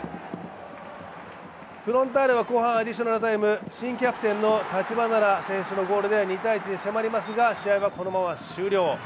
フロンターレは後半アディショナルタイム、新キャプテンの橘田選手のゴールで迫りますが試合はこのまま終了。